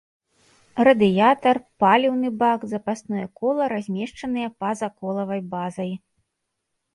Радыятар, паліўны бак, запасное кола размешчаныя па-за колавай базай.